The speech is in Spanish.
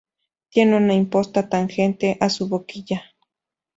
Tiene una imposta tangente a su boquilla.